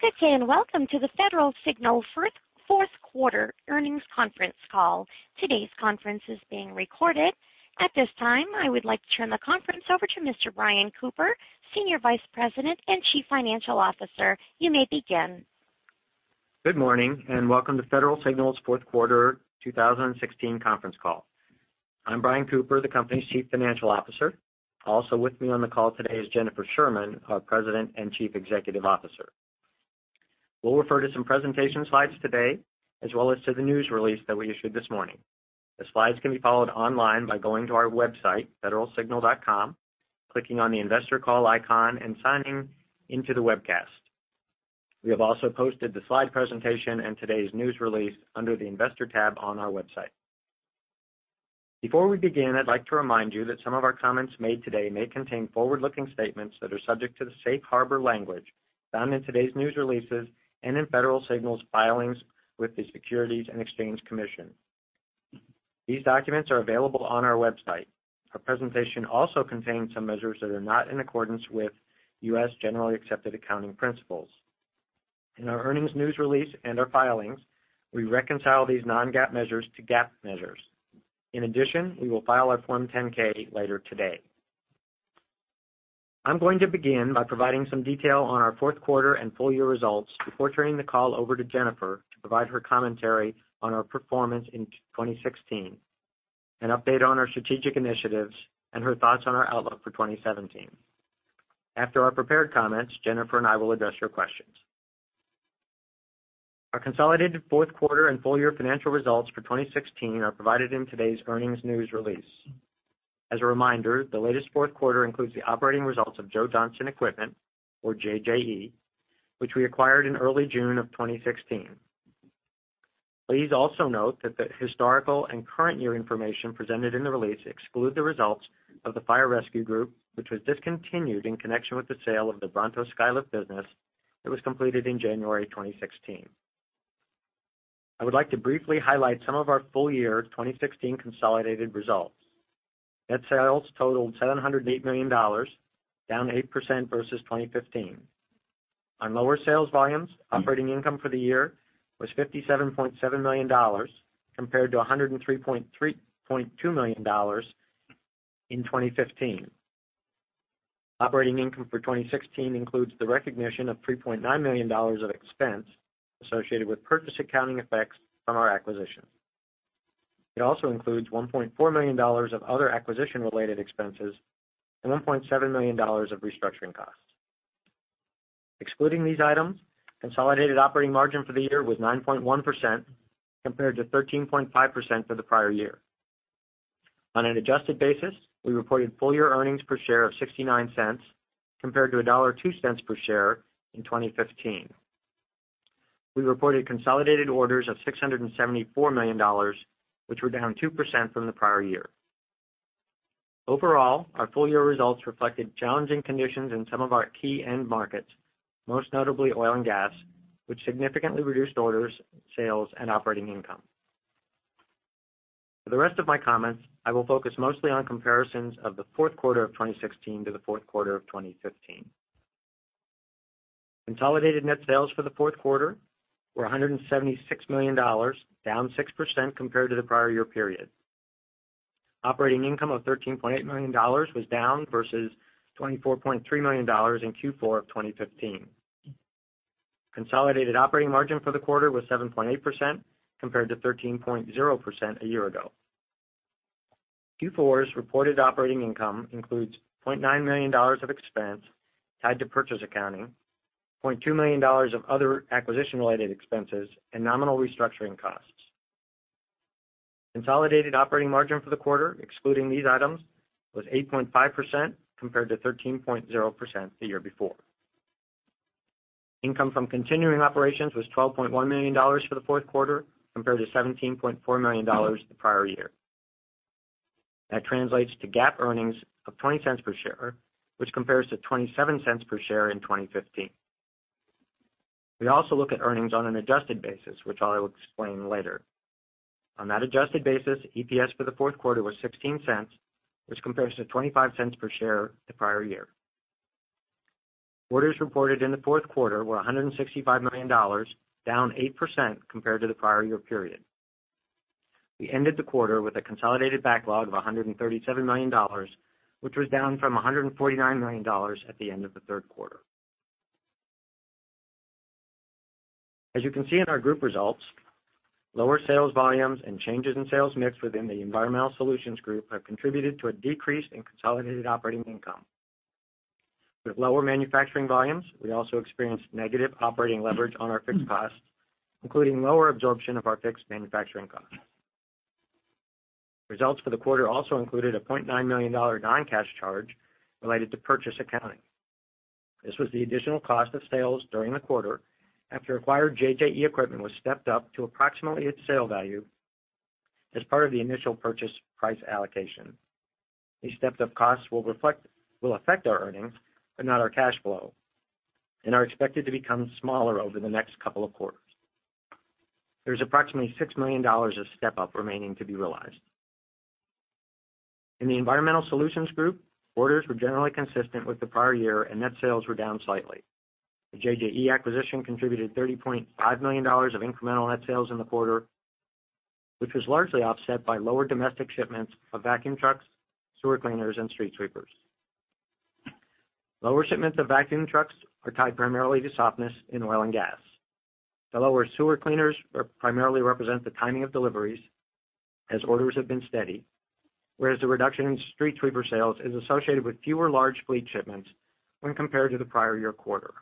Good day, welcome to the Federal Signal fourth quarter earnings conference call. Today's conference is being recorded. At this time, I would like to turn the conference over to Mr. Brian Cooper, Senior Vice President and Chief Financial Officer. You may begin. Good morning, welcome to Federal Signal's fourth quarter 2016 conference call. I'm Brian Cooper, the company's Chief Financial Officer. Also with me on the call today is Jennifer Sherman, our President and Chief Executive Officer. We'll refer to some presentation slides today, as well as to the news release that we issued this morning. The slides can be followed online by going to our website, federalsignal.com, clicking on the investor call icon, signing into the webcast. We have also posted the slide presentation and today's news release under the investor tab on our website. Before we begin, I'd like to remind you that some of our comments made today may contain forward-looking statements that are subject to the safe harbor language found in today's news releases and in Federal Signal's filings with the Securities and Exchange Commission. These documents are available on our website. Our presentation also contains some measures that are not in accordance with U.S. generally accepted accounting principles. In our earnings news release and our filings, we reconcile these non-GAAP measures to GAAP measures. In addition, we will file our Form 10-K later today. I'm going to begin by providing some detail on our fourth quarter and full year results before turning the call over to Jennifer to provide her commentary on our performance in 2016, an update on our strategic initiatives, and her thoughts on our outlook for 2017. After our prepared comments, Jennifer and I will address your questions. Our consolidated fourth quarter and full year financial results for 2016 are provided in today's earnings news release. As a reminder, the latest fourth quarter includes the operating results of Joe Johnson Equipment, or JJE, which we acquired in early June of 2016. Please also note that the historical and current year information presented in the release exclude the results of the Fire Rescue Group, which was discontinued in connection with the sale of the Bronto Skylift business that was completed in January 2016. I would like to briefly highlight some of our full year 2016 consolidated results. Net sales totaled $708 million, down 8% versus 2015. On lower sales volumes, operating income for the year was $57.7 million, compared to $103.2 million in 2015. Operating income for 2016 includes the recognition of $3.9 million of expense associated with purchase accounting effects from our acquisition. It also includes $1.4 million of other acquisition-related expenses and $1.7 million of restructuring costs. Excluding these items, consolidated operating margin for the year was 9.1% compared to 13.5% for the prior year. On an adjusted basis, we reported full year earnings per share of $0.69 compared to $1.02 per share in 2015. We reported consolidated orders of $674 million, which were down 2% from the prior year. Overall, our full year results reflected challenging conditions in some of our key end markets, most notably oil and gas, which significantly reduced orders, sales, and operating income. For the rest of my comments, I will focus mostly on comparisons of the fourth quarter of 2016 to the fourth quarter of 2015. Consolidated net sales for the fourth quarter were $176 million, down 6% compared to the prior year period. Operating income of $13.8 million was down versus $24.3 million in Q4 of 2015. Consolidated operating margin for the quarter was 7.8% compared to 13.0% a year ago. Q4's reported operating income includes $0.9 million of expense tied to purchase accounting, $0.2 million of other acquisition-related expenses, and nominal restructuring costs. Consolidated operating margin for the quarter, excluding these items, was 8.5% compared to 13.0% the year before. Income from continuing operations was $12.1 million for the fourth quarter compared to $17.4 million the prior year. That translates to GAAP earnings of $0.20 per share, which compares to $0.27 per share in 2015. We also look at earnings on an adjusted basis, which I will explain later. On that adjusted basis, EPS for the fourth quarter was $0.16, which compares to $0.25 per share the prior year. Orders reported in the fourth quarter were $165 million, down 8% compared to the prior year period. We ended the quarter with a consolidated backlog of $137 million, which was down from $149 million at the end of the third quarter. As you can see in our group results, lower sales volumes and changes in sales mix within the Environmental Solutions Group have contributed to a decrease in consolidated operating income. With lower manufacturing volumes, we also experienced negative operating leverage on our fixed costs, including lower absorption of our fixed manufacturing costs. Results for the quarter also included a $0.9 million non-cash charge related to purchase accounting. This was the additional cost of sales during the quarter after acquired JJE equipment was stepped up to approximately its sale value as part of the initial purchase price allocation. These stepped-up costs will affect our earnings, but not our cash flow, and are expected to become smaller over the next couple of quarters. There's approximately $6 million of step-up remaining to be realized. In the Environmental Solutions Group, orders were generally consistent with the prior year, and net sales were down slightly. The JJE acquisition contributed $30.5 million of incremental net sales in the quarter, which was largely offset by lower domestic shipments of vacuum trucks, sewer cleaners, and street sweepers. Lower shipments of vacuum trucks are tied primarily to softness in oil and gas. The lower sewer cleaners primarily represent the timing of deliveries as orders have been steady, whereas the reduction in street sweeper sales is associated with fewer large fleet shipments when compared to the prior year quarter.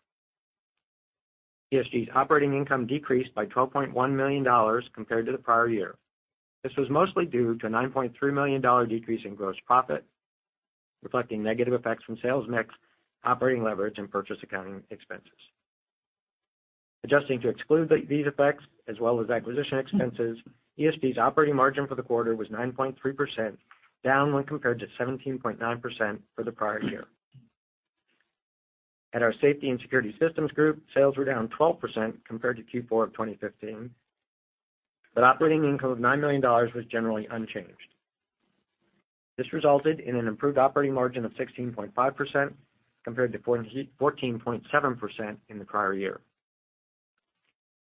ESG's operating income decreased by $12.1 million compared to the prior year. This was mostly due to a $9.3 million decrease in gross profit, reflecting negative effects from sales mix, operating leverage, and purchase accounting expenses. Adjusting to exclude these effects, as well as acquisition expenses, ESG's operating margin for the quarter was 9.3%, down when compared to 17.9% for the prior year. At our Safety and Security Systems Group, sales were down 12% compared to Q4 of 2015, but operating income of $9 million was generally unchanged. This resulted in an improved operating margin of 16.5% compared to 14.7% in the prior year.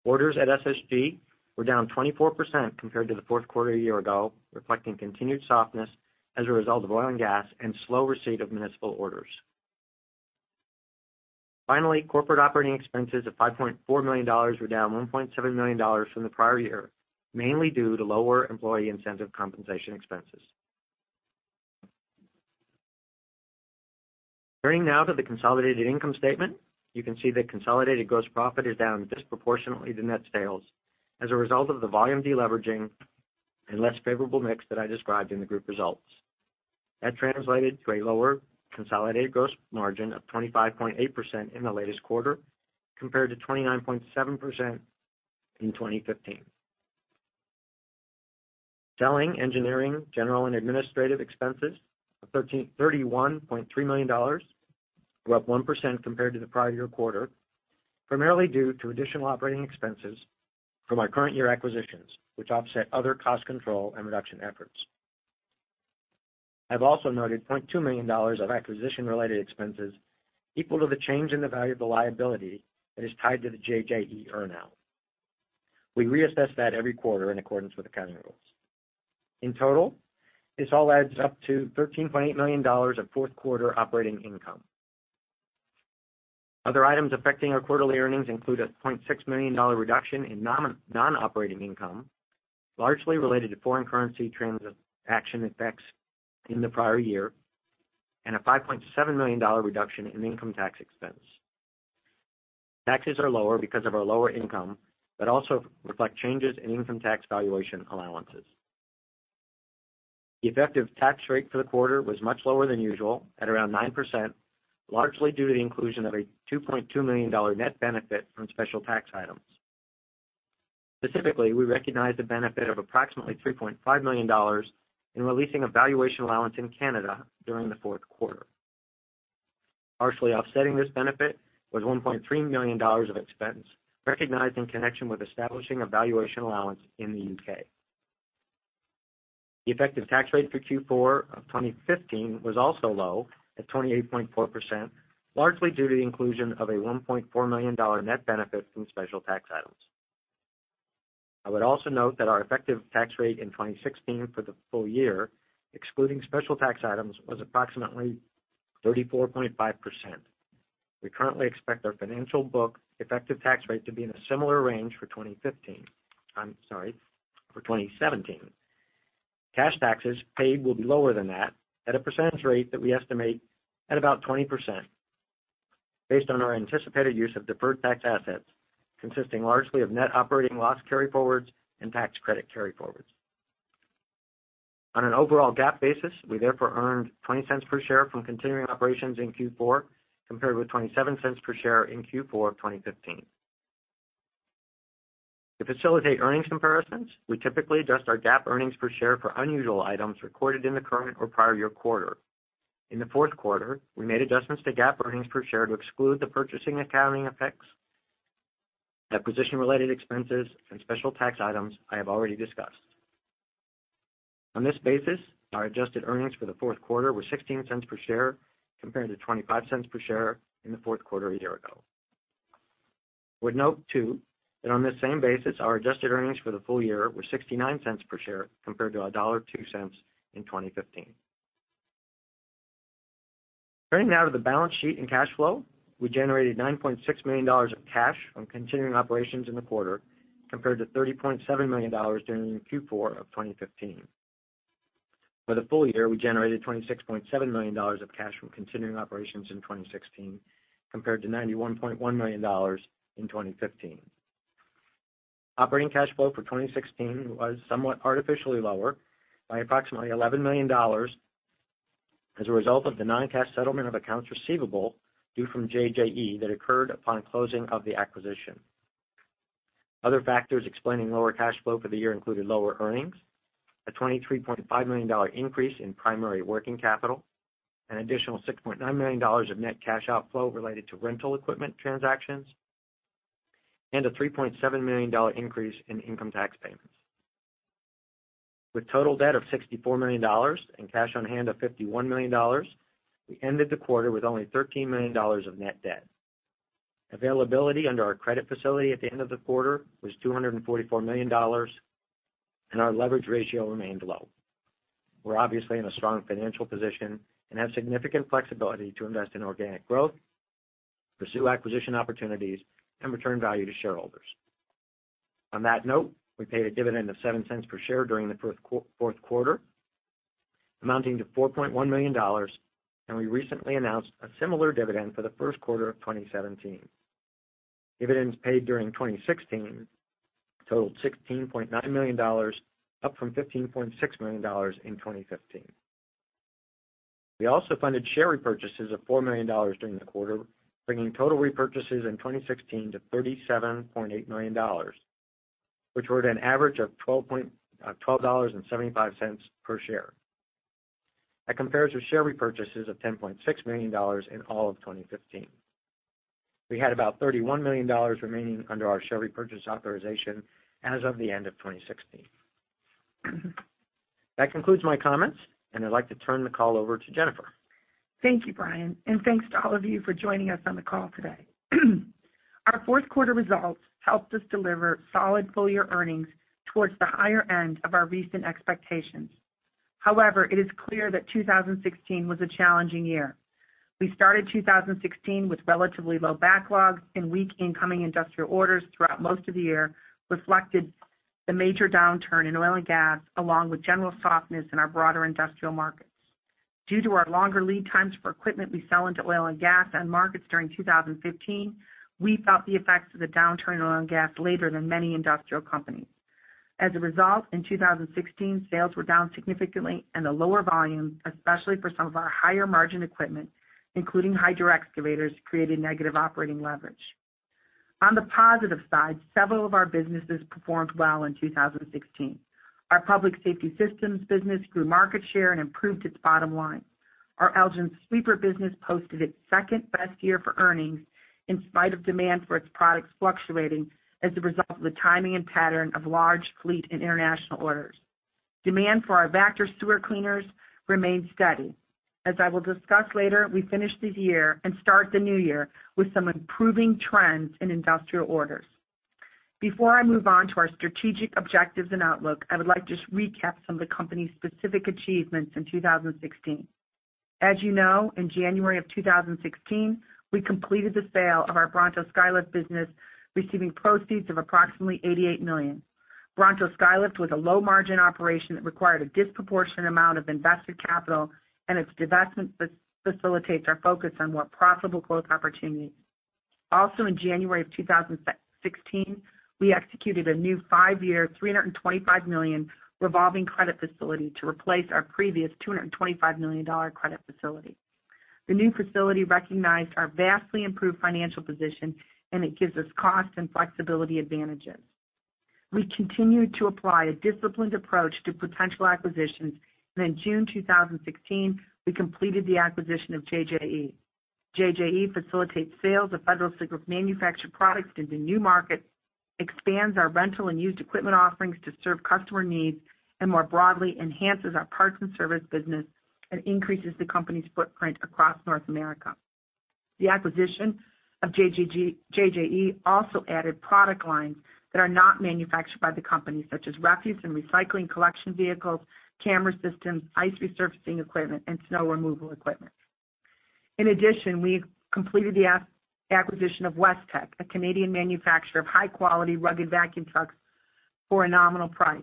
Orders at SSG were down 24% compared to the fourth quarter a year ago, reflecting continued softness as a result of oil and gas and slow receipt of municipal orders. Finally, corporate operating expenses of $5.4 million were down $1.7 million from the prior year, mainly due to lower employee incentive compensation expenses. Turning now to the consolidated income statement. You can see that consolidated gross profit is down disproportionately to net sales as a result of the volume deleveraging and less favorable mix that I described in the group results. That translated to a lower consolidated gross margin of 25.8% in the latest quarter, compared to 29.7% in 2015. Selling, engineering, general and administrative expenses of $31.3 million were up 1% compared to the prior year quarter, primarily due to additional operating expenses from our current year acquisitions, which offset other cost control and reduction efforts. I've also noted $0.2 million of acquisition-related expenses equal to the change in the value of the liability that is tied to the JJE earn-out. We reassess that every quarter in accordance with accounting rules. In total, this all adds up to $13.8 million of fourth quarter operating income. Other items affecting our quarterly earnings include a $0.6 million reduction in non-operating income, largely related to foreign currency transaction effects in the prior year, and a $5.7 million reduction in income tax expense. Taxes are lower because of our lower income but also reflect changes in income tax valuation allowances. The effective tax rate for the quarter was much lower than usual at around 9%, largely due to the inclusion of a $2.2 million net benefit from special tax items. Specifically, we recognized the benefit of approximately $3.5 million in releasing a valuation allowance in Canada during the fourth quarter. Partially offsetting this benefit was $1.3 million of expense recognized in connection with establishing a valuation allowance in the U.K. The effective tax rate for Q4 of 2015 was also low at 28.4%, largely due to the inclusion of a $1.4 million net benefit from special tax items. I would also note that our effective tax rate in 2016 for the full year, excluding special tax items, was approximately 34.5%. We currently expect our financial book effective tax rate to be in a similar range for 2015, I'm sorry, for 2017. Cash taxes paid will be lower than that at a percentage rate that we estimate at about 20%, based on our anticipated use of deferred tax assets, consisting largely of net operating loss carryforwards and tax credit carryforwards. On an overall GAAP basis, we therefore earned $0.20 per share from continuing operations in Q4 compared with $0.27 per share in Q4 of 2015. To facilitate earnings comparisons, we typically adjust our GAAP earnings per share for unusual items recorded in the current or prior year quarter. In the fourth quarter, we made adjustments to GAAP earnings per share to exclude the purchasing accounting effects, acquisition-related expenses and special tax items I have already discussed. On this basis, our adjusted earnings for the fourth quarter were $0.16 per share compared to $0.25 per share in the fourth quarter a year ago. I would note too that on this same basis, our adjusted earnings for the full year were $0.69 per share compared to $1.02 in 2015. Turning now to the balance sheet and cash flow. We generated $9.6 million of cash from continuing operations in the quarter, compared to $30.7 million during Q4 of 2015. For the full year, we generated $26.7 million of cash from continuing operations in 2016, compared to $91.1 million in 2015. Operating cash flow for 2016 was somewhat artificially lower by approximately $11 million as a result of the non-cash settlement of accounts receivable due from JJE that occurred upon closing of the acquisition. Other factors explaining lower cash flow for the year included lower earnings, a $23.5 million increase in primary working capital, an additional $6.9 million of net cash outflow related to rental equipment transactions. A $3.7 million increase in income tax payments. With total debt of $64 million and cash on hand of $51 million, we ended the quarter with only $13 million of net debt. Availability under our credit facility at the end of the quarter was $244 million, and our leverage ratio remained low. We're obviously in a strong financial position and have significant flexibility to invest in organic growth, pursue acquisition opportunities, and return value to shareholders. On that note, we paid a dividend of $0.07 per share during the fourth quarter, amounting to $4.1 million, and we recently announced a similar dividend for the first quarter of 2017. Dividends paid during 2016 totaled $16.9 million, up from $15.6 million in 2015. We also funded share repurchases of $4 million during the quarter, bringing total repurchases in 2016 to $37.8 million, which were at an average of $12.75 per share. That compares with share repurchases of $10.6 million in all of 2015. We had about $31 million remaining under our share repurchase authorization as of the end of 2016. That concludes my comments, and I'd like to turn the call over to Jennifer. Thank you, Brian, and thanks to all of you for joining us on the call today. Our fourth quarter results helped us deliver solid full-year earnings towards the higher end of our recent expectations. However, it is clear that 2016 was a challenging year. We started 2016 with relatively low backlogs and weak incoming industrial orders throughout most of the year, reflected the major downturn in oil and gas, along with general softness in our broader industrial markets. Due to our longer lead times for equipment we sell into oil and gas end markets during 2015, we felt the effects of the downturn in oil and gas later than many industrial companies. As a result, in 2016, sales were down significantly, and the lower volume, especially for some of our higher margin equipment, including hydro excavators, created negative operating leverage. On the positive side, several of our businesses performed well in 2016. Our Public Safety Systems business grew market share and improved its bottom line. Our Elgin Sweeper business posted its second-best year for earnings in spite of demand for its products fluctuating as a result of the timing and pattern of large fleet and international orders. Demand for our Vactor sewer cleaners remained steady. As I will discuss later, we finish this year and start the new year with some improving trends in industrial orders. Before I move on to our strategic objectives and outlook, I would like to just recap some of the company's specific achievements in 2016. As you know, in January of 2016, we completed the sale of our Bronto Skylift business, receiving proceeds of approximately $88 million. Also, in January of 2016, we executed a new five-year, $325 million revolving credit facility to replace our previous $225 million credit facility. The new facility recognized our vastly improved financial position. It gives us cost and flexibility advantages. We continued to apply a disciplined approach to potential acquisitions. In June 2016, we completed the acquisition of JJE. JJE facilitates sales of Federal Signal's manufactured products into new markets, expands our rental and used equipment offerings to serve customer needs. More broadly, enhances our parts and service business and increases the company's footprint across North America. The acquisition of JJE also added product lines that are not manufactured by the company, such as refuse and recycling collection vehicles, camera systems, ice resurfacing equipment, and snow removal equipment. In addition, we completed the acquisition of Westech, a Canadian manufacturer of high-quality rugged vacuum trucks for a nominal price.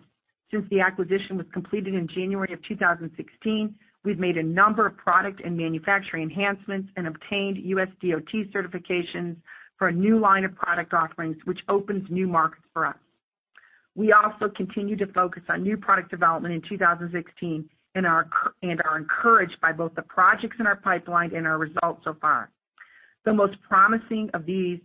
Since the acquisition was completed in January of 2016, we've made a number of product and manufacturing enhancements and obtained USDOT certifications for a new line of product offerings, which opens new markets for us. We also continued to focus on new product development in 2016 and are encouraged by both the projects in our pipeline and our results so far. The most promising of these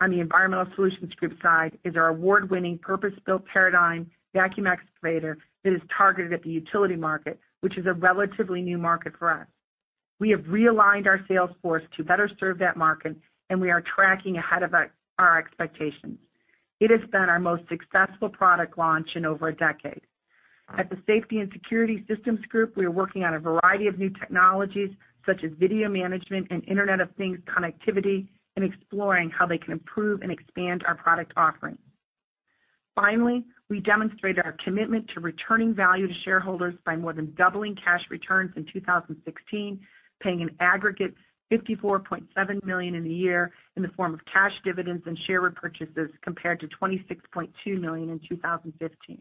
on the Environmental Solutions Group side is our award-winning purpose-built Paradigm vacuum excavator that is targeted at the utility market, which is a relatively new market for us. We have realigned our sales force to better serve that market. We are tracking ahead of our expectations. It has been our most successful product launch in over a decade. At the Safety and Security Systems Group, we are working on a variety of new technologies, such as video management and Internet of Things connectivity, exploring how they can improve and expand our product offerings. Finally, we demonstrated our commitment to returning value to shareholders by more than doubling cash returns in 2016, paying an aggregate $54.7 million in the year in the form of cash dividends and share repurchases, compared to $26.2 million in 2015.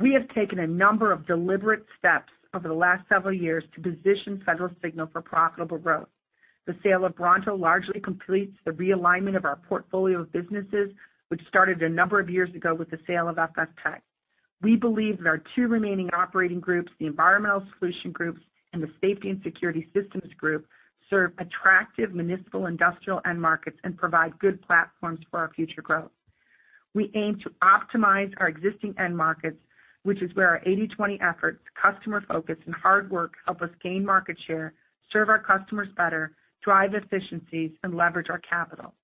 We have taken a number of deliberate steps over the last several years to position Federal Signal for profitable growth. The sale of Bronto largely completes the realignment of our portfolio of businesses, which started a number of years ago with the sale of FSTech. We believe that our two remaining operating groups, the Environmental Solutions Group and the Safety and Security Systems Group, serve attractive municipal, industrial, end markets and provide good platforms for our future growth. We aim to optimize our existing end markets, which is where our 80/20 efforts, customer focus, and hard work help us gain market share, serve our customers better, drive efficiencies, and leverage our capital.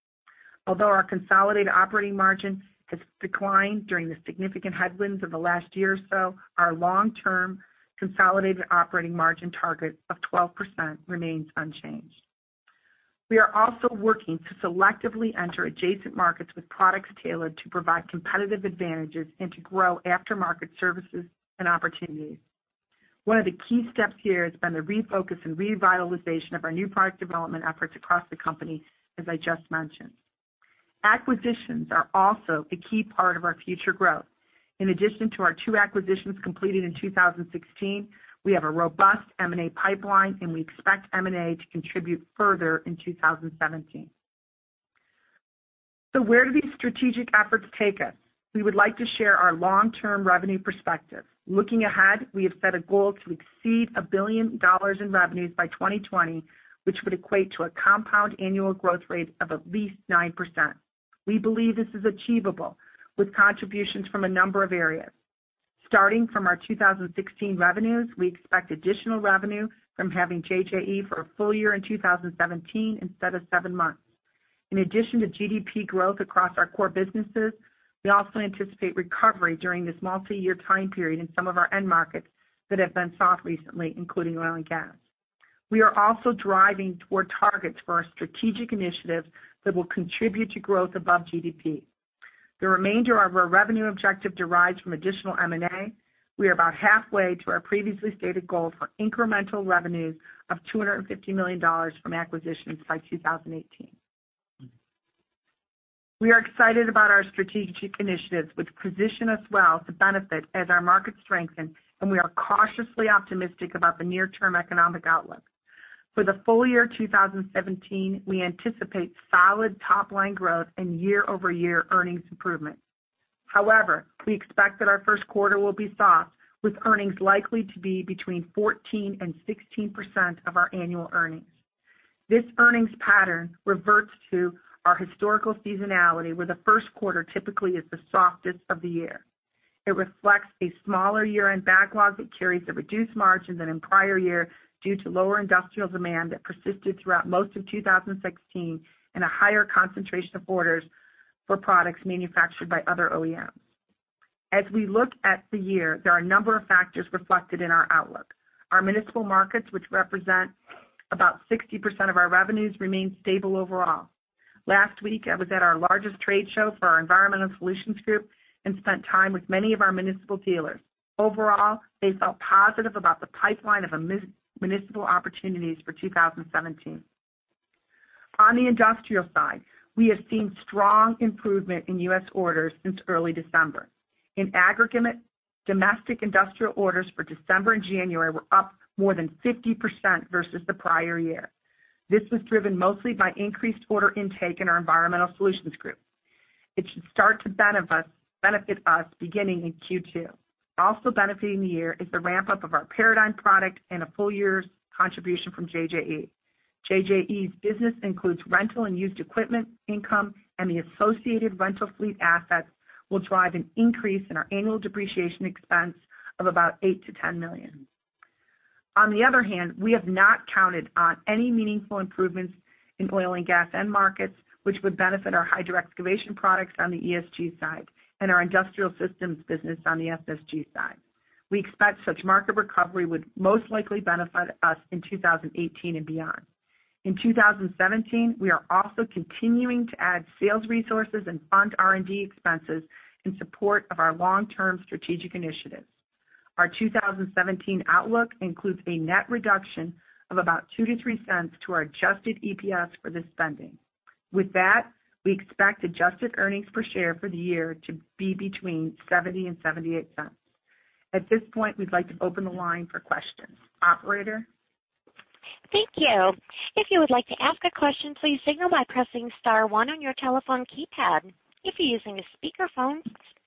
Although our consolidated operating margin has declined during the significant headwinds of the last year or so, our long-term consolidated operating margin target of 12% remains unchanged. We are also working to selectively enter adjacent markets with products tailored to provide competitive advantages and to grow aftermarket services and opportunities. One of the key steps here has been the refocus and revitalization of our new product development efforts across the company, as I just mentioned. Acquisitions are also a key part of our future growth. In addition to our two acquisitions completed in 2016, we have a robust M&A pipeline, and we expect M&A to contribute further in 2017. Where do these strategic efforts take us? We would like to share our long-term revenue perspective. Looking ahead, we have set a goal to exceed $1 billion in revenues by 2020, which would equate to a compound annual growth rate of at least 9%. We believe this is achievable with contributions from a number of areas. Starting from our 2016 revenues, we expect additional revenue from having JJE for a full year in 2017 instead of seven months. In addition to GDP growth across our core businesses, we also anticipate recovery during this multi-year time period in some of our end markets that have been soft recently, including oil and gas. We are also driving toward targets for our strategic initiatives that will contribute to growth above GDP. The remainder of our revenue objective derives from additional M&A. We are about halfway to our previously stated goal for incremental revenues of $250 million from acquisitions by 2018. We are excited about our strategic initiatives, which position us well to benefit as our market strengthen, and we are cautiously optimistic about the near-term economic outlook. For the full year 2017, we anticipate solid top-line growth and year-over-year earnings improvement. However, we expect that our first quarter will be soft, with earnings likely to be between 14% and 16% of our annual earnings. This earnings pattern reverts to our historical seasonality, where the first quarter typically is the softest of the year. It reflects a smaller year-end backlog that carries a reduced margin than in prior year due to lower industrial demand that persisted throughout most of 2016 and a higher concentration of orders for products manufactured by other OEMs. As we look at the year, there are a number of factors reflected in our outlook. Our municipal markets, which represent about 60% of our revenues, remain stable overall. Last week, I was at our largest trade show for our Environmental Solutions Group and spent time with many of our municipal dealers. Overall, they felt positive about the pipeline of municipal opportunities for 2017. On the industrial side, we have seen strong improvement in U.S. orders since early December. In aggregate, domestic industrial orders for December and January were up more than 50% versus the prior year. This was driven mostly by increased order intake in our Environmental Solutions Group. It should start to benefit us beginning in Q2. Also benefiting the year is the ramp-up of our Paradigm product and a full year's contribution from JJE. JJE's business includes rental and used equipment income, and the associated rental fleet assets will drive an increase in our annual depreciation expense of about $8 million-$10 million. On the other hand, we have not counted on any meaningful improvements in oil and gas end markets, which would benefit our hydroexcavation products on the ESG side and our industrial systems business on the SSG side. We expect such market recovery would most likely benefit us in 2018 and beyond. In 2017, we are also continuing to add sales resources and fund R&D expenses in support of our long-term strategic initiatives. Our 2017 outlook includes a net reduction of about $0.02-$0.03 to our adjusted EPS for this spending. With that, we expect adjusted earnings per share for the year to be between $0.70 and $0.78. At this point, we'd like to open the line for questions. Operator? Thank you. If you would like to ask a question, please signal by pressing *1 on your telephone keypad. If you're using a speakerphone,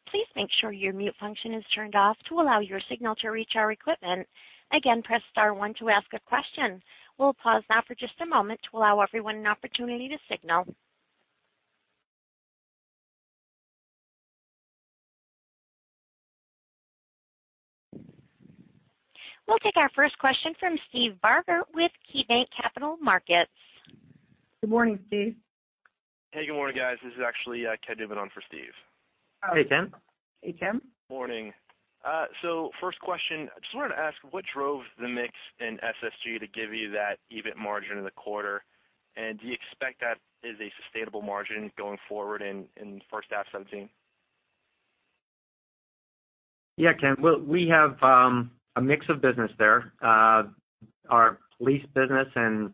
please make sure your mute function is turned off to allow your signal to reach our equipment. Again, press *1 to ask a question. We'll pause now for just a moment to allow everyone an opportunity to signal. We'll take our first question from Steve Barger with KeyBanc Capital Markets. Good morning, Steve. Hey, good morning, guys. This is actually Ken Duvendack for Steve. Hey, Ken. Hey, Ken. Morning. First question, just wanted to ask, what drove the mix in SSG to give you that EBIT margin in the quarter? Do you expect that is a sustainable margin going forward in first half 2017? Ken. We have a mix of business there. Our lease business and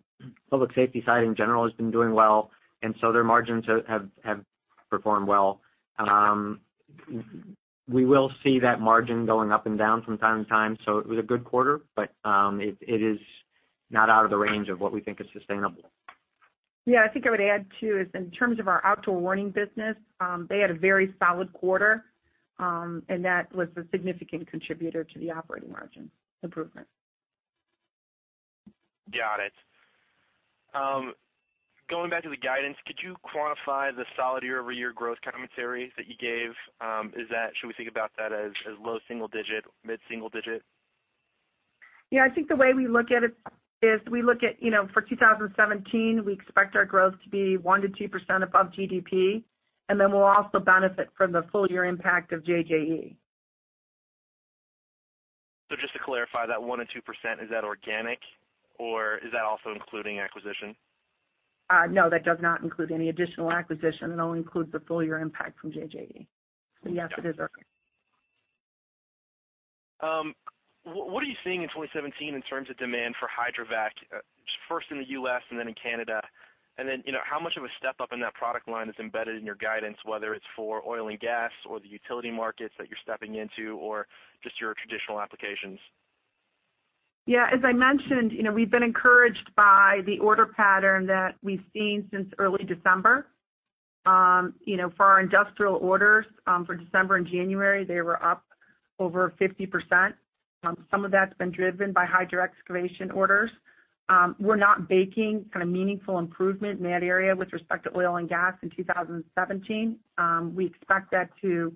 Public Safety side in general has been doing well, their margins have performed well. We will see that margin going up and down from time to time. It was a good quarter, but it is not out of the range of what we think is sustainable. I think I would add, too, is in terms of our outdoor warning business, they had a very solid quarter, and that was a significant contributor to the operating margin improvement. Got it. Going back to the guidance, could you quantify the solid year-over-year growth commentary that you gave? Should we think about that as low single-digit, mid single-digit? I think the way we look at it is we look at, for 2017, we expect our growth to be 1%-2% above GDP. We'll also benefit from the full year impact of JJE. Just to clarify that 1%-2%, is that organic or is that also including acquisition? That does not include any additional acquisition. It only includes the full year impact from JJE. Yes, it is organic. What are you seeing in 2017 in terms of demand for hydrovac, first in the U.S. and then in Canada? How much of a step up in that product line is embedded in your guidance, whether it's for oil and gas or the utility markets that you're stepping into or just your traditional applications? As I mentioned, we've been encouraged by the order pattern that we've seen since early December. For our industrial orders for December and January, they were up over 50%. Some of that's been driven by hydro-excavation orders. We're not baking kind of meaningful improvement in that area with respect to oil and gas in 2017. We expect that to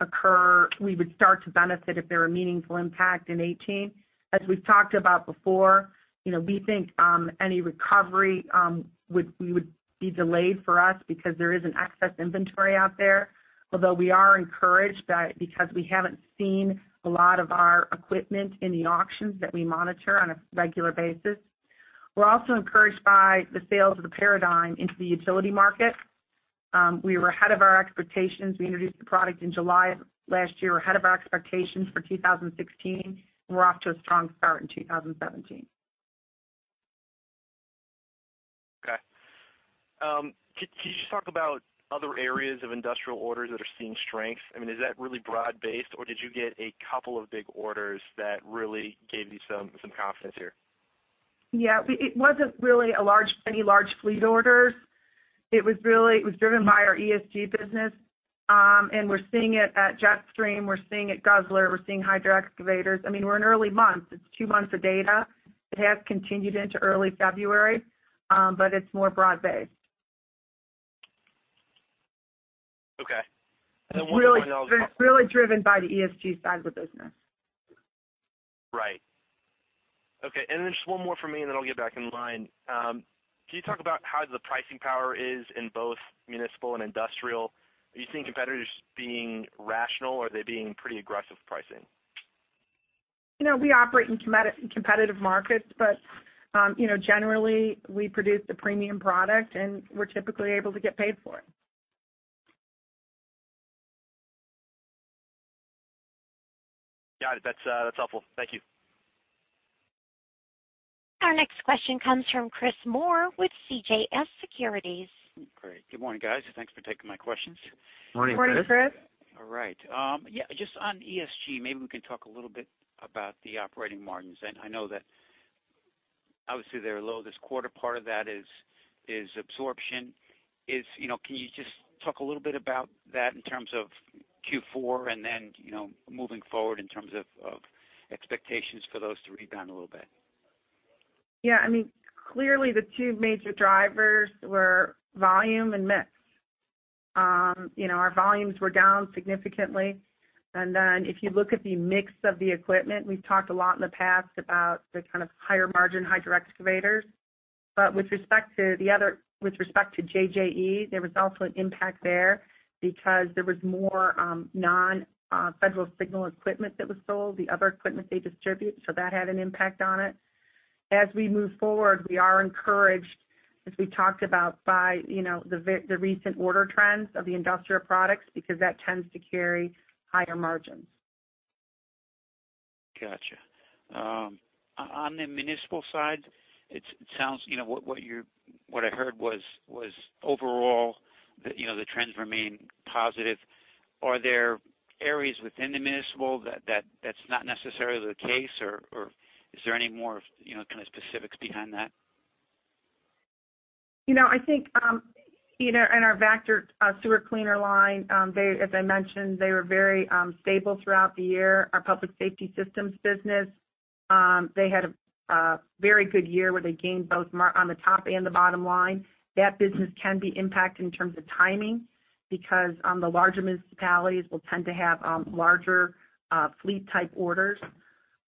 occur, we would start to benefit if there were meaningful impact in 2018. As we've talked about before, we think any recovery would be delayed for us because there is an excess inventory out there. Although we are encouraged that because we haven't seen a lot of our equipment in the auctions that we monitor on a regular basis. We're also encouraged by the sales of the Paradigm into the utility market. We were ahead of our expectations. We introduced the product in July of last year, ahead of our expectations for 2016. We're off to a strong start in 2017. Okay. Could you just talk about other areas of industrial orders that are seeing strength? Is that really broad-based, or did you get a couple of big orders that really gave you some confidence here? Yeah. It wasn't really any large fleet orders. It was driven by our Environmental Solutions Group business. We're seeing it at Jetstream, we're seeing it at Guzzler, we're seeing hydro excavators. We're in early months. It's two months of data. It has continued into early February. It's more broad-based. Okay. Really driven by the ESG side of the business. Right. Okay. Just one more from me, and then I'll get back in line. Can you talk about how the pricing power is in both municipal and industrial? Are you seeing competitors being rational, or are they being pretty aggressive with pricing? We operate in competitive markets, but generally, we produce the premium product, and we're typically able to get paid for it. Got it. That's helpful. Thank you. Our next question comes from Chris Moore with CJS Securities. Great. Good morning, guys. Thanks for taking my questions. Morning, Chris. All right. Yeah, just on ESG, maybe we can talk a little bit about the operating margins. I know that obviously they're low this quarter. Part of that is absorption. Can you just talk a little bit about that in terms of Q4 and then, moving forward in terms of expectations for those to rebound a little bit? Yeah. Clearly, the two major drivers were volume and mix. Our volumes were down significantly. If you look at the mix of the equipment, we've talked a lot in the past about the kind of higher margin hydro excavators. With respect to JJE, there was also an impact there because there was more non-Federal Signal equipment that was sold, the other equipment they distribute. That had an impact on it. As we move forward, we are encouraged, as we talked about, by the recent order trends of the industrial products because that tends to carry higher margins. Got you. On the municipal side, what I heard was overall the trends remain positive. Are there areas within the municipal that that's not necessarily the case, or is there any more kind of specifics behind that? I think in our Vactor sewer cleaner line, as I mentioned, they were very stable throughout the year. Our Public Safety Systems business had a very good year where they gained both on the top and the bottom line. That business can be impacted in terms of timing because the larger municipalities will tend to have larger fleet-type orders.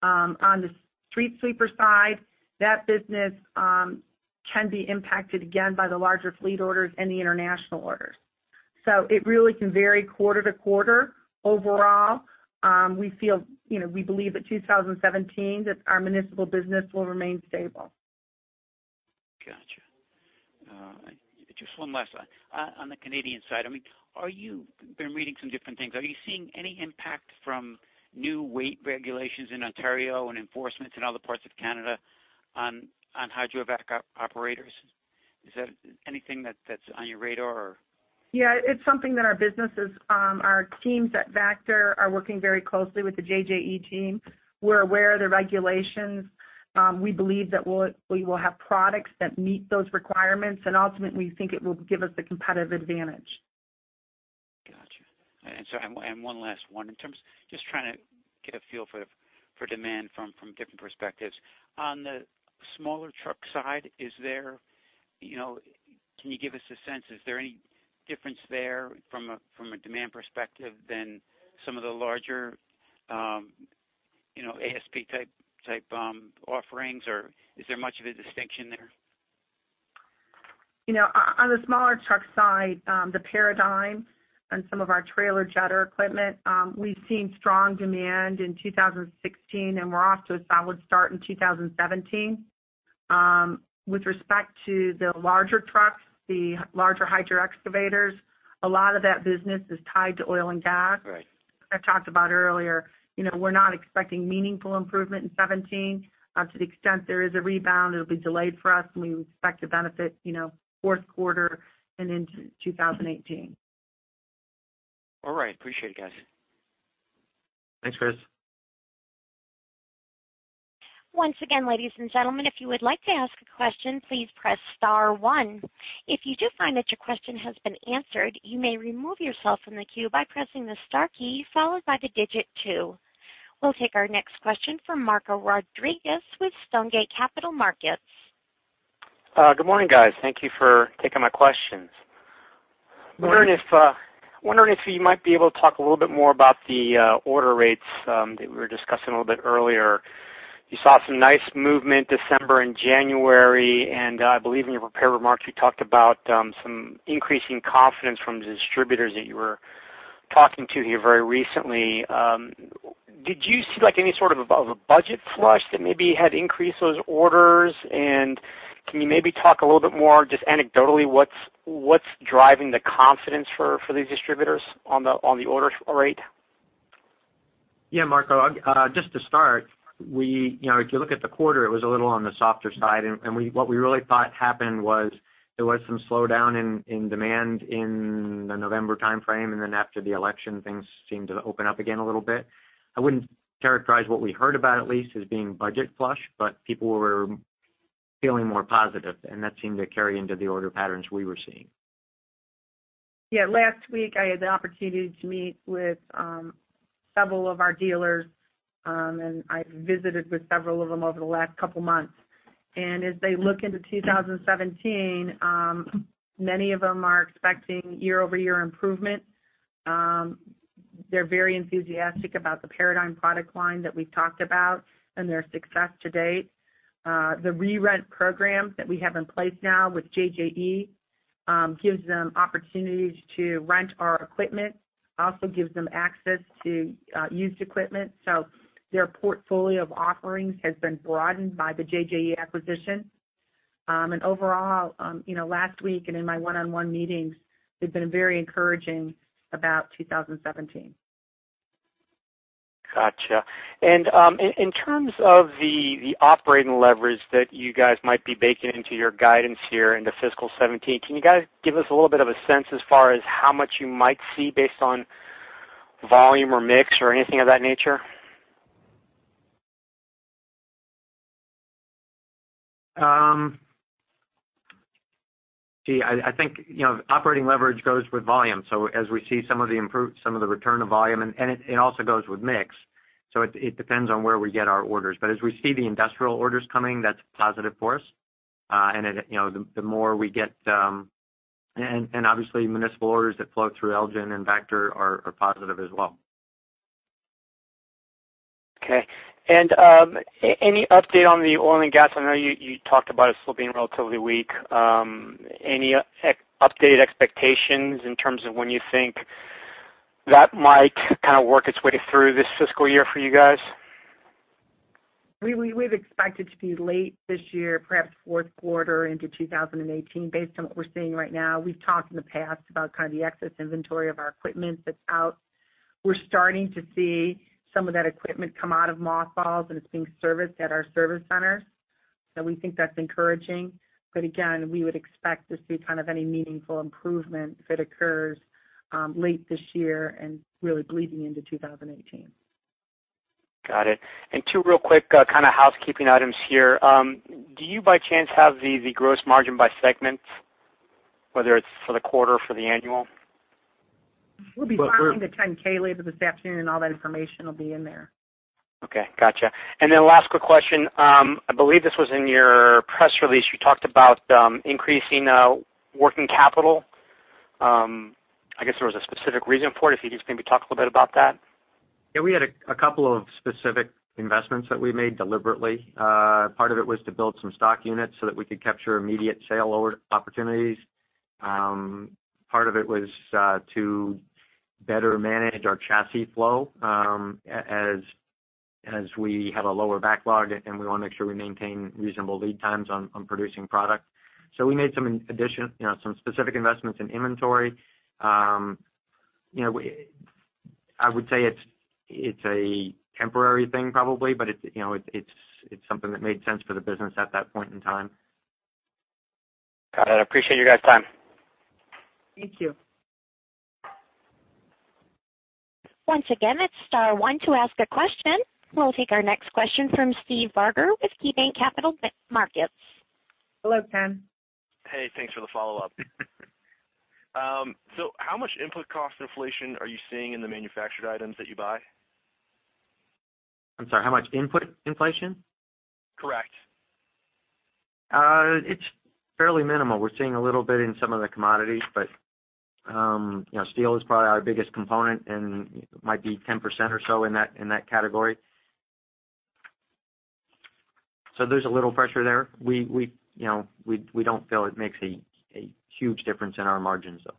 On the street sweeper side, that business can be impacted again by the larger fleet orders and the international orders. It really can vary quarter to quarter. Overall, we believe that 2017, that our municipal business will remain stable. Got you. All right. Just one last one. On the Canadian side, I've been reading some different things. Are you seeing any impact from new weight regulations in Ontario and enforcement in other parts of Canada on hydrovac operators? Is that anything that's on your radar or? Yeah. It's something that our teams at Vactor are working very closely with the Joe Johnson Equipment team. We're aware of the regulations. We believe that we will have products that meet those requirements and ultimately think it will give us a competitive advantage. One last one. Just trying to get a feel for demand from different perspectives. On the smaller truck side, can you give us a sense, is there any difference there from a demand perspective than some of the larger ASP-type offerings, or is there much of a distinction there? On the smaller truck side, the Paradigm and some of our trailer jetter equipment, we've seen strong demand in 2016, and we're off to a solid start in 2017. With respect to the larger trucks, the larger hydro excavators, a lot of that business is tied to oil and gas. Right. I talked about earlier, we're not expecting meaningful improvement in 2017. To the extent there is a rebound, it'll be delayed for us, and we expect to benefit fourth quarter and into 2018. All right. Appreciate it, guys. Thanks, Chris. Once again, ladies and gentlemen, if you would like to ask a question, please press star one. If you do find that your question has been answered, you may remove yourself from the queue by pressing the star key, followed by the digit two. We'll take our next question from Marco Rodriguez with Stonegate Capital Markets. Good morning, guys. Thank you for taking my questions. Good morning. Wondering if you might be able to talk a little bit more about the order rates that we were discussing a little bit earlier. You saw some nice movement December and January. I believe in your prepared remarks, you talked about some increasing confidence from distributors that you were talking to here very recently. Did you see any sort of a budget flush that maybe had increased those orders? Can you maybe talk a little bit more, just anecdotally, what's driving the confidence for these distributors on the order rate? Yeah, Marco, just to start, if you look at the quarter, it was a little on the softer side. What we really thought happened was there was some slowdown in demand in the November timeframe. Then after the election, things seemed to open up again a little bit. I wouldn't characterize what we heard about at least as being budget flush, people were feeling more positive, and that seemed to carry into the order patterns we were seeing. Yeah. Last week I had the opportunity to meet with several of our dealers. I've visited with several of them over the last couple of months. As they look into 2017, many of them are expecting year-over-year improvement. They're very enthusiastic about the Paradigm product line that we've talked about and their success to date. The re-rent program that we have in place now with JJE gives them opportunities to rent our equipment, also gives them access to used equipment. Their portfolio of offerings has been broadened by the JJE acquisition. Overall, last week and in my one-on-one meetings, they've been very encouraging about 2017. Got you. In terms of the operating leverage that you guys might be baking into your guidance here into fiscal 2017, can you guys give us a little bit of a sense as far as how much you might see based on volume or mix or anything of that nature? I think operating leverage goes with volume. As we see some of the return of volume, and it also goes with mix, it depends on where we get our orders. As we see the industrial orders coming, that's positive for us. Obviously municipal orders that flow through Elgin and Vactor are positive as well. Okay. Any update on the oil and gas? I know you talked about it still being relatively weak. Any updated expectations in terms of when you think that might kind of work its way through this fiscal year for you guys? We've expected to be late this year, perhaps fourth quarter into 2018 based on what we're seeing right now. We've talked in the past about kind of the excess inventory of our equipment that's out. We're starting to see some of that equipment come out of mothballs, and it's being serviced at our service centers. We think that's encouraging. Again, we would expect to see kind of any meaningful improvement, if it occurs, late this year and really bleeding into 2018. Got it. Two real quick kind of housekeeping items here. Do you by chance have the gross margin by segment, whether it's for the quarter or for the annual? We'll be filing the 10-K later this afternoon. All that information will be in there. Okay. Got you. Last quick question. I believe this was in your press release. You talked about increasing working capital. I guess there was a specific reason for it, if you could just maybe talk a little bit about that. Yeah. We had a couple of specific investments that we made deliberately. Part of it was to build some stock units so that we could capture immediate sale opportunities. Part of it was to better manage our chassis flow as we have a lower backlog, and we want to make sure we maintain reasonable lead times on producing product. We made some specific investments in inventory. I would say it's a temporary thing probably, but it's something that made sense for the business at that point in time. Got it. Appreciate your guys' time. Thank you. Once again, it's star one to ask a question. We'll take our next question from Steve Barger with KeyBanc Capital Markets. Hello, Ken. Hey, thanks for the follow-up. How much input cost inflation are you seeing in the manufactured items that you buy? I'm sorry, how much input inflation? Correct. It's fairly minimal. We're seeing a little bit in some of the commodities, but steel is probably our biggest component and might be 10% or so in that category. There's a little pressure there. We don't feel it makes a huge difference in our margins, though.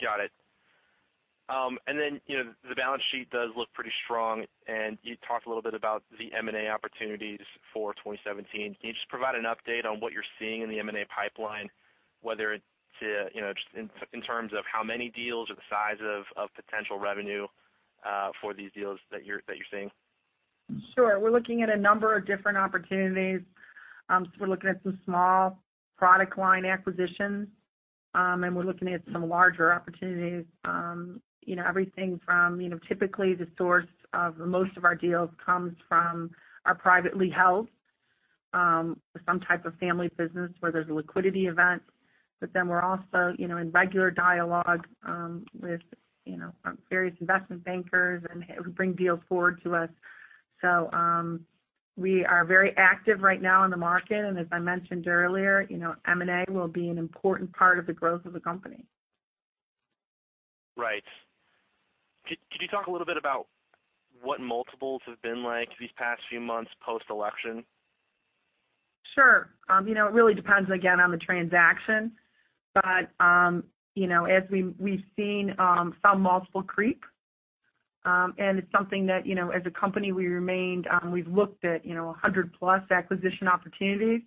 Got it. The balance sheet does look pretty strong, and you talked a little bit about the M&A opportunities for 2017. Can you just provide an update on what you're seeing in the M&A pipeline, whether it's in terms of how many deals or the size of potential revenue for these deals that you're seeing? Sure. We're looking at a number of different opportunities. We're looking at some small product line acquisitions, we're looking at some larger opportunities. Everything from typically the source of most of our deals comes from are privately held, some type of family business where there's a liquidity event. We're also in regular dialogue with various investment bankers, and who bring deals forward to us. We are very active right now in the market. As I mentioned earlier, M&A will be an important part of the growth of the company. Right. Could you talk a little bit about what multiples have been like these past few months post-election? Sure. It really depends, again, on the transaction. As we've seen some multiple creep, and it's something that, as a company, we've looked at 100-plus acquisition opportunities.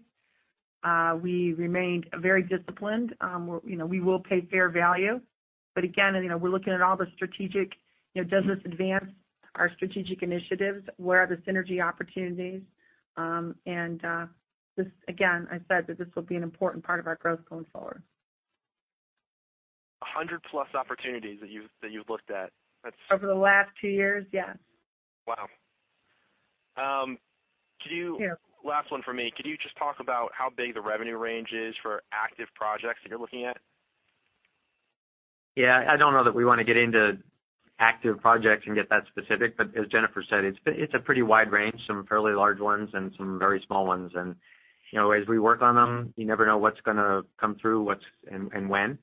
We remained very disciplined. We will pay fair value. Again, we're looking at all the strategic, does this advance our strategic initiatives? Where are the synergy opportunities? Just again, I said that this will be an important part of our growth going forward. 100-plus opportunities that you've looked at. That's. Over the last two years, yes. Wow. Yeah. Last one from me. Could you just talk about how big the revenue range is for active projects that you're looking at? Yeah, I don't know that we want to get into active projects and get that specific. But as Jennifer said, it's a pretty wide range, some fairly large ones and some very small ones, and as we work on them, you never know what's going to come through, and when.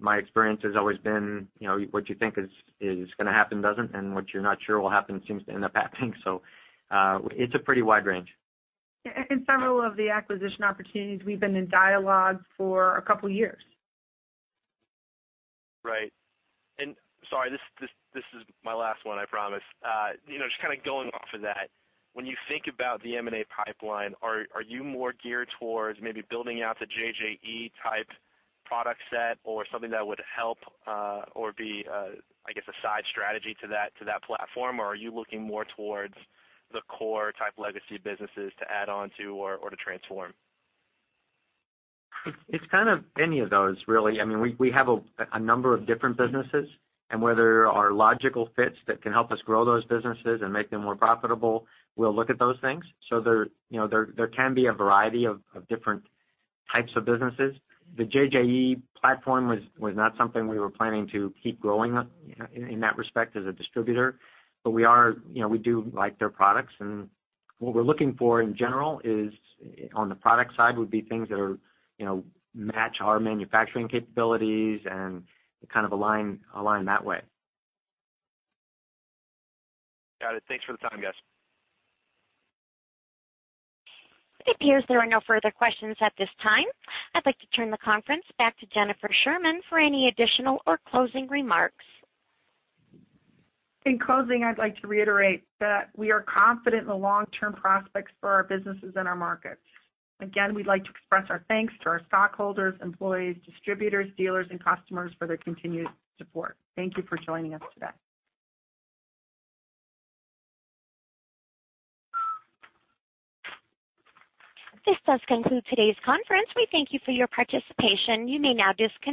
My experience has always been what you think is going to happen, doesn't, and what you're not sure will happen seems to end up happening. It's a pretty wide range. Several of the acquisition opportunities we've been in dialogue for a couple of years. Sorry, this is my last one, I promise. Just kind of going off of that, when you think about the M&A pipeline, are you more geared towards maybe building out the JJE type product set or something that would help or be, I guess, a side strategy to that platform? Or are you looking more towards the core type legacy businesses to add on to or to transform? It's kind of any of those, really. We have a number of different businesses, where there are logical fits that can help us grow those businesses and make them more profitable, we'll look at those things. There can be a variety of different types of businesses. The JJE platform was not something we were planning to keep growing in that respect as a distributor. We do like their products, and what we're looking for in general is on the product side, would be things that match our manufacturing capabilities and kind of align that way. Got it. Thanks for the time, guys. It appears there are no further questions at this time. I'd like to turn the conference back to Jennifer Sherman for any additional or closing remarks. In closing, I'd like to reiterate that we are confident in the long-term prospects for our businesses and our markets. Again, we'd like to express our thanks to our stockholders, employees, distributors, dealers, and customers for their continued support. Thank you for joining us today. This does conclude today's conference. We thank you for your participation. You may now disconnect.